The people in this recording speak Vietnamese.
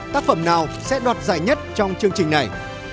tác phẩm nào sẽ đoạt giải nhất trong chương trình này